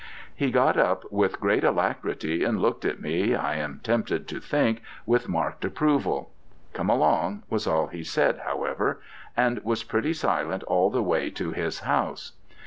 He got up with great alacrity, and looked at me, I am tempted to think, with marked approval. 'Come along,' was all he said, however; and was pretty silent all the way to his house.